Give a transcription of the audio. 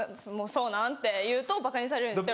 「そうなん」って言うとばかにされるんです。